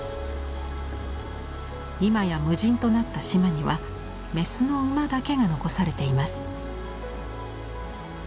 今や無人となった島には雌の馬だけが残されています。